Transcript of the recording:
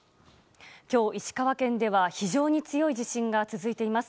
今日、石川県では非常に強い地震が続いています。